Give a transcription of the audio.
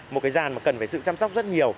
một cái giàn mà cần phải sự chăm sóc rất nhiều